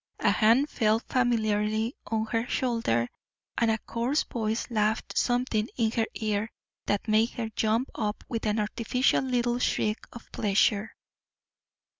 A hand fell familiarly on her shoulder, and a coarse voice laughed something in her ear that made her jump up with an artificial little shriek of pleasure.